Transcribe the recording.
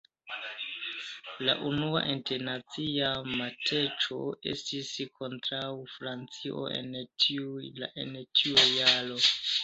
La unua internacia matĉo estis kontraŭ Francio en tiu jaro.